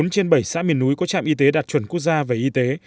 bốn trên bảy xã miền núi có trạm y tế đạt chuẩn quốc gia về y tế